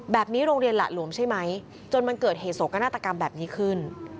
โรงเรียนหละหลวมใช่ไหมจนมันเกิดเหตุโศกนาฏกรรมแบบนี้ขึ้น